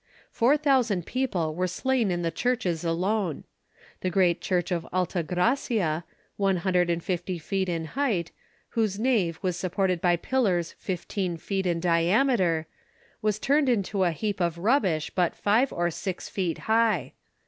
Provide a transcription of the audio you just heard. Four thousand people were slain in the churches alone. The great church of Alta Gracia, one hundred and fifty feet in height, whose nave was supported by pillars fifteen feet in diameter, was turned into a heap of rubbish but five or six feet high.